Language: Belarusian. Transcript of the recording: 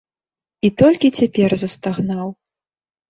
І толькі цяпер застагнаў.